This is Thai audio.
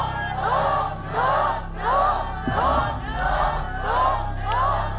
ถูกถูกถูก